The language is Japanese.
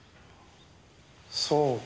そうか。